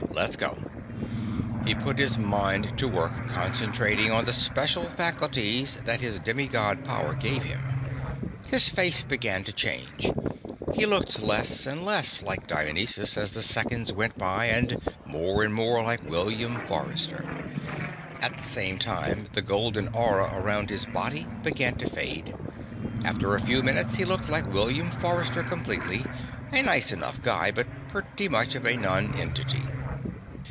"Let's go." He put his mind to work concentrating on the special faculties that his demi God power gave him. His face began to change. He looked less and less like Dionysus as the seconds went by, and more and more like William Forrester. At the same time, the golden aura around his body began to fade. After a few minutes he looked like William Forrester completely, a nice enough guy but pretty much of a nonentity.